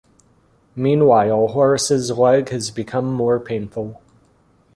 Meanwhile, Horus' leg has become more painful.